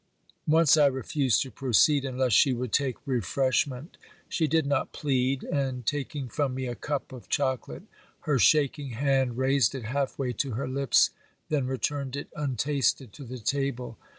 Once I refused to proceed unless she would take refreshment. She did not plead; and taking from me a cup of chocolate, her shaking hand raised it half way to her lips then returned it untasted to the table.